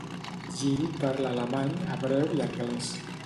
Gil parla alemany, hebreu i anglès.